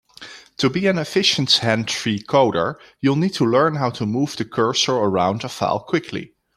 To be an efficient hands-free coder, you'll need to learn how to move the cursor around a file quickly.